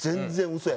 嘘や！